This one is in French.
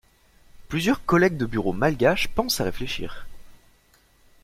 Plusieurs collègues de bureau malgaches pensent à réfléchir.